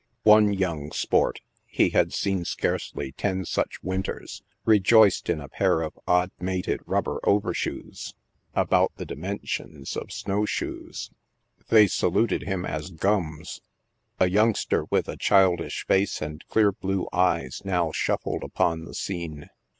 One young sport," he had seen scarcely ten such winters, rejoiced in a pair of odd mated rubber over shoes, about A SATURDAY NIGHT AT THE OLD BOWERY. 119 the dimensions of snow shoe3. They saluted him as " Gams." A youngster, with a childish face and clear blue eyes, now shuffled upon the scene.